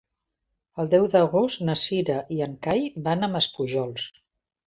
El deu d'agost na Cira i en Cai van a Maspujols.